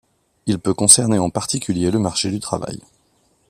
Il peut concerner en particulier le marché du travail.